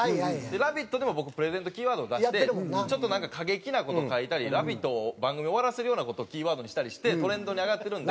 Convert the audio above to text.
『ラヴィット！』でも僕プレゼントキーワードを出してちょっとなんか過激な事書いたり『ラヴィット！』を番組終わらせるような事をキーワードにしたりしてトレンドに上がってるんで。